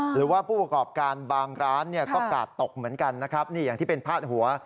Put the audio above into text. หรือว่าผู้ประกอบการบางร้านเนี่ยก็กาดตกเหมือนกันนะครับนี่อย่างที่เป็นพาดหัว